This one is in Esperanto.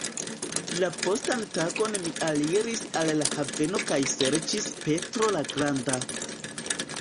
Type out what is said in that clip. La postan tagon mi aliris al la haveno kaj serĉis "Petro la Granda".